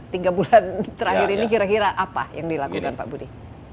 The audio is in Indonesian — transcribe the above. tiga bulan terakhir ini kira kira apa yang dilakukan pak budi